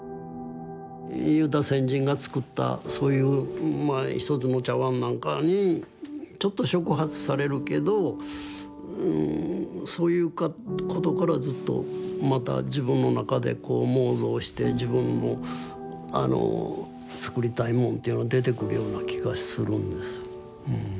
先人が作ったそういうまあ一つの茶碗なんかにちょっと触発されるけどそういうことからずっとまた自分の中でこう妄想して自分の作りたいもんっていうのは出てくるような気がするんです。